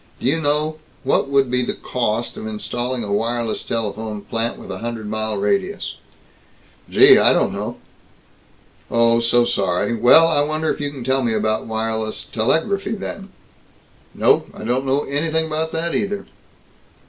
Do you know What would be the cost of installing a wireless telephone plant with a hundred mile radius?" "Gee, I don't know!" "Oh, so sorry. Well, I wonder if you can tell me about wireless telegraphy, then?" "No, I don't know anything about that either."